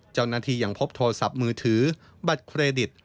ยังพบโทรศัพท์มือถือบัตรเครดิต